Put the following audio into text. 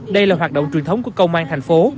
đây là hoạt động truyền thống của công an thành phố